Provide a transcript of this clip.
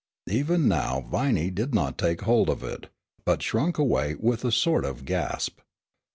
Even now Viney did not take hold of it, but shrunk away with a sort of gasp.